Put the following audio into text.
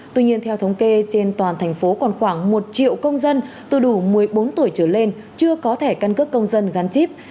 tuy nhiên theo thống kê trên toàn thành phố còn khoảng một triệu công dân từ đủ một mươi bốn tuổi trở lên chưa có thẻ căn cước công dân gắn chip